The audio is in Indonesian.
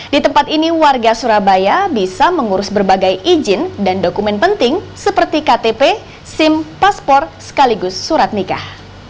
di tempat ini warga surabaya bisa mengurus berbagai izin dan dokumen penting seperti ktp sim paspor sekaligus surat nikah